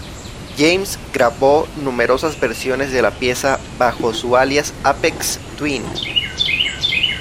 James grabó numerosas versiones de la pieza bajo su alias Aphex Twin.